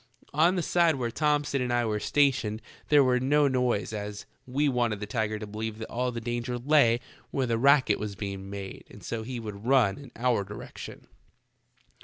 On the side where Thomson and I were stationed there was no noise, as we. wanted the tiger to believe that all the danger lay where the racket was being made and so he would run in our direction.